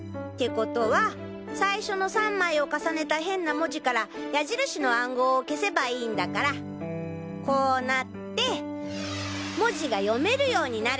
コトは最初の３枚を重ねた変な文字から矢印の暗号を消せばいいんだからこうなって文字が読めるようになる。